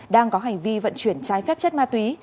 đang có hành vi vận chuyển trái phép chất ma túy